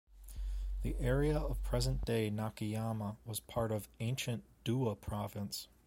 The area of present-day Nakayama was part of ancient Dewa Province.